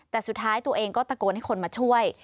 แต่สุดท้ายตัวเองก็ตะโกนให้คนมาช่วย